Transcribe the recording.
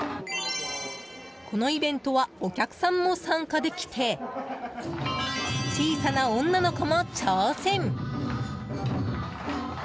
このイベントはお客さんも参加できて小さな女の子も挑戦！